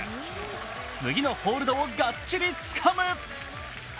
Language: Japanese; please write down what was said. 次のホールドをがっちりつかむ。